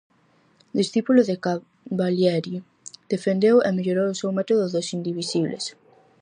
Discípulo de Cavalieri, defendeu e mellorou o seu método dos indivisibles.